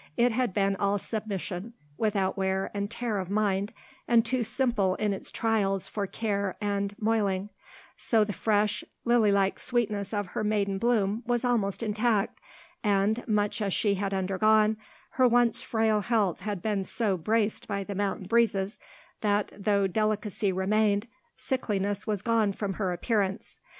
It had been all submission, without wear and tear of mind, and too simple in its trials for care and moiling; so the fresh, lily like sweetness of her maiden bloom was almost intact, and, much as she had undergone, her once frail health had been so braced by the mountain breezes, that, though delicacy remained, sickliness was gone from her appearance.